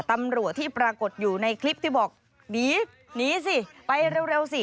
ตำรวจที่ปรากฏอยู่ในคลิปที่บอกหนีหนีสิไปเร็วสิ